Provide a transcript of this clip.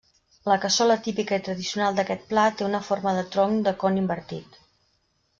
La cassola típica i tradicional d'aquest plat té una forma de tronc de con invertit.